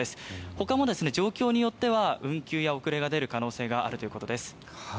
ほかも状況によっては運休や遅れが出る可能性があるということです。